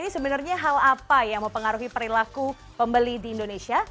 ini sebenarnya hal apa yang mau pengaruhi perilaku pembeli di indonesia